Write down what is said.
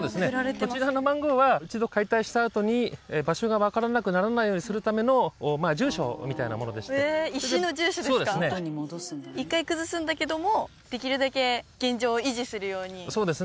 こちらの番号は一度解体したあとに場所が分からなくならないようにするための住所みたいなものでしてへえ石の住所ですか一回崩すんだけどもできるだけ現状維持するようにそうですね